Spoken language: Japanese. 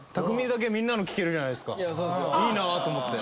いいなと思って。